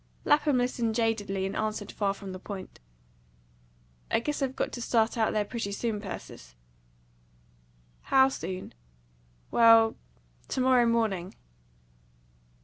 Lapham listened jadedly, and answered far from the point. "I guess I've got to start out there pretty soon, Persis." "How soon?" "Well, to morrow morning."